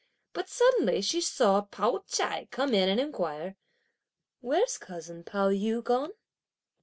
But suddenly, she saw Pao ch'ai come in and inquire: "Where's cousin Pao yü gone?"